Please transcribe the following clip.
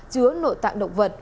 chứa nội tạng động vật